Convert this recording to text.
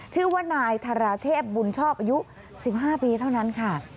ชื่อว่านายธาราเทพบุญชอบอายุ๑๕ปีเท่านั้นค่ะ